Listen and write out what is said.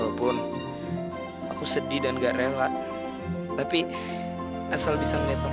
walaupun aku sedih dan gak rela tapi asal bisa ngeliat dong